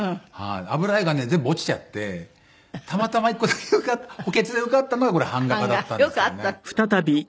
油画がね全部落ちちゃってたまたま１個だけ補欠で受かったのが版画科だったんですよね。